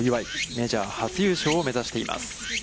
メジャー初優勝を目指しています。